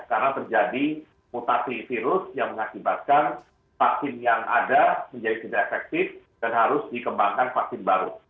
karena terjadi mutasi virus yang mengakibatkan vaksin yang ada menjadi tidak efektif dan harus dikembangkan vaksin baru